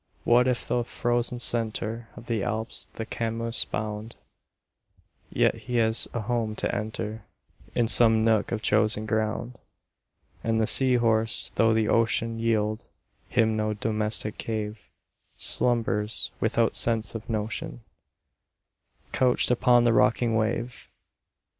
What, if through the frozen centre Of the Alps the Chamois bound, 10 Yet he has a home to enter In some nook of chosen ground: And the Sea horse, though the ocean Yield him no domestic cave, Slumbers without sense of motion, Couched upon the rocking wave.